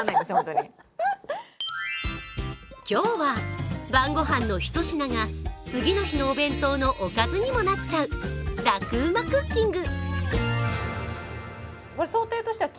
今日は、晩ご飯のひと品が次の日のお弁当のおかずにもなっちゃうラクうまっクッキング。